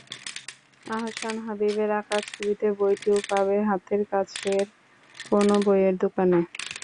আহসান হাবীবের আঁকা ছবিতে বইটিও পাবে হাতের কাছের কোনো বইয়ের দোকানে।